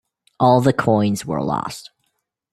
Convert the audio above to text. All the coins were lost.